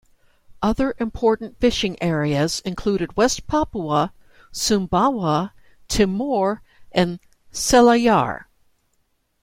Other important fishing areas included West Papua, Sumbawa, Timor and Selayar.